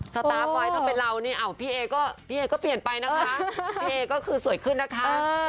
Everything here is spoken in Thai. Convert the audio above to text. สตาร์ฟไว้ถ้าเป็นเรานี่พี่เอก็พี่เอก็เปลี่ยนไปนะคะพี่เอก็คือสวยขึ้นนะคะ